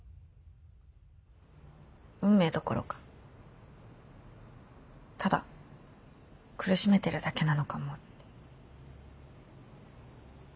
運命どころかただ苦しめてるだけなのかもって。